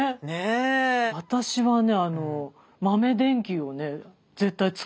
私はね